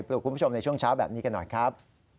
คุณผู้ชมในช่วงเช้าแบบนี้กันหน่อยครับ